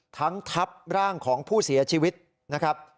ทั้งทับร่างของผู้เสียชีวิตนะครับ